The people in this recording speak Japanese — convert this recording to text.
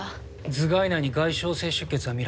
頭蓋内に外傷性出血は見られません。